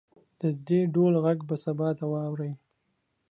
د دې ډول غږ به سبا ته واورئ